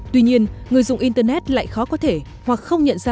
tuy nhiên người dùng internet lại khó có thể hoặc không nhận ra